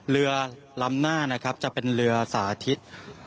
เรือลำหน้านะครับจะเป็นเรือสาธิต